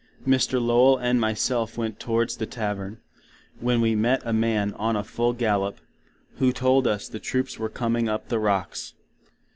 Mr. Lowell and my self went towards the Tavern, when we met a Man on a full gallop, who told us the Troops were coming up the Rocks.